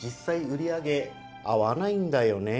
売り上げ合わないんだよね。